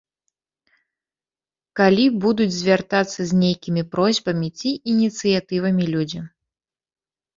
Калі будуць звяртацца з нейкімі просьбамі ці ініцыятывамі людзі.